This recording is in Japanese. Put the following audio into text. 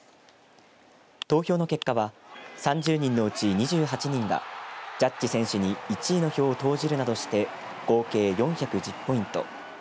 投票の結果は３０人のうち２８人がジャッジ選手に１位の票を投じるなどして合計４１０ポイント。